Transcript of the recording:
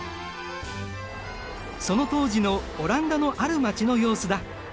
その当時のオランダのある街の様子だ。